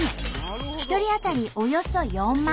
１人当たりおよそ４万円。